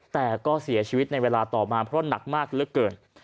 แต่ก็เสียชีวิตในเวลาต่อมาเพราะหนักมากเหลือเกิน